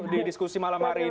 di diskusi malam hari ini